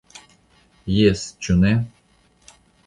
Jes, ĉu ne.